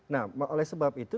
nah oleh sebab itu